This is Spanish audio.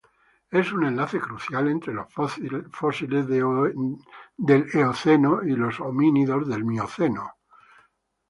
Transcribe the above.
Es un enlace crucial entre los fósiles del Eoceno y los homínidos del Mioceno.